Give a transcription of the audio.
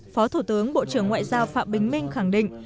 phó thủ tướng bộ trưởng ngoại giao phạm bình minh khẳng định